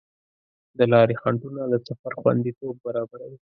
د لارې خنډونه د سفر خوندیتوب خرابوي.